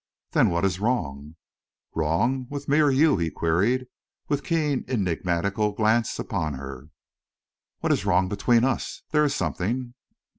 "Then what is wrong?" "Wrong?—With me or you," he queried, with keen, enigmatical glance upon her. "What is wrong between us? There is something."